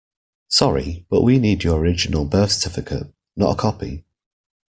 Sorry, but we need your original birth certificate, not a copy.